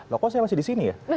loh kok saya masih di sini ya